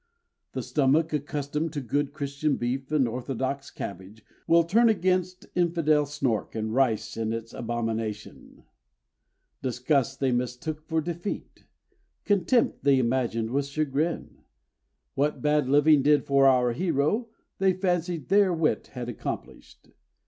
The stomach, accustomed to good Christian beef and orthodox cabbage, Will turn against infidel snork, and rice is its abomination. Disgust they mistook for defeat, contempt they imagined was chagrin, What bad living did for our hero, they fancied their wit had accomplished.